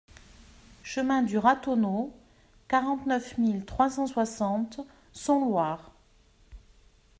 Chemin du Ratonneau, quarante-neuf mille trois cent soixante Somloire